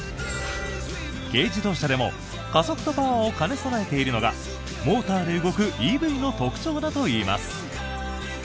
軽自動車でも加速とパワーを兼ね備えているのがモーターで動くＥＶの特徴だといいます。